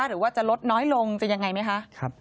หรือว่าจะลดน้อยลงจะยังไงไหมคะ